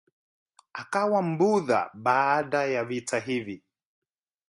Akawa Mbudha baada ya vita hivi.